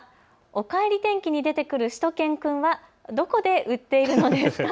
おかえり天気に出てくるしゅと犬くんはどこで売っているのですか。